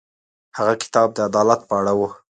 هغه کتاب د عدالت په اړه و.